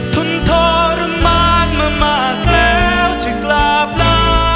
ทนทรมานมามากแล้วที่กราบลา